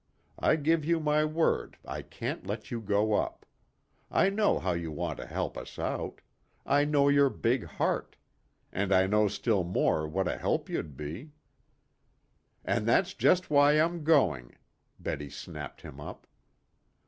I give you my word I can't let you go up. I know how you want to help us out. I know your big heart. And I know still more what a help you'd be " "And that's just why I'm going," Betty snapped him up.